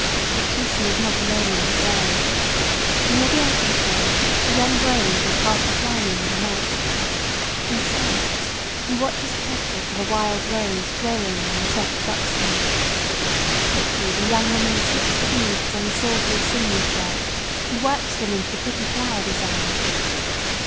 But Tusee is not alone in her dwelling. Near the entrance way a young brave is half reclining on a mat. In silence he watches the petals of a wild rose growing on the soft buckskin. Quickly the young woman slips the beads on the silvery sinew thread, and works them into the pretty flower design.